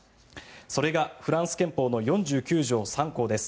それがフランス憲法の４９条３項です。